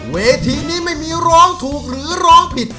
เวทีนี้ไม่มีร้องถูกหรือร้องผิด